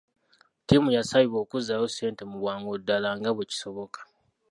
Ttiimu yasabibwa okuzzaayo ssente mu bwangu ddala nga bwe kisoboka.